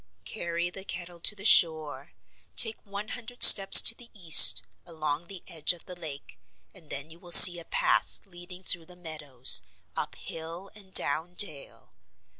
"Carry the kettle to the shore. Take one hundred steps to the east, along the edge of the lake, and then you will see a path leading through the meadows, up hill and down dale.